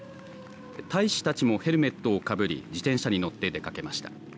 大使たちもヘルメットをかぶり自転車に乗って出かけました。